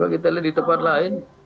kita lihat di tempat lain